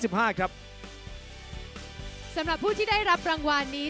สำหรับผู้ที่ได้รับรางวัลนี้